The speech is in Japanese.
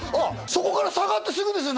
そこから下がってすぐですよ